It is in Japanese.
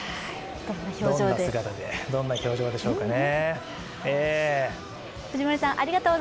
どんな姿で、どんな表情でしょうかね。